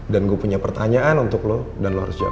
dan gue punya pertanyaan untuk lo dan lo harus jawab